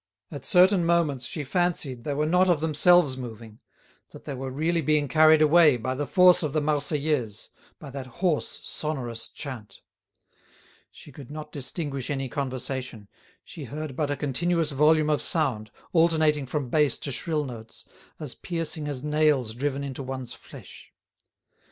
At certain moments she fancied they were not of themselves moving, that they were really being carried away by the force of the "Marseillaise," by that hoarse, sonorous chant. She could not distinguish any conversation, she heard but a continuous volume of sound, alternating from bass to shrill notes, as piercing as nails driven into one's flesh.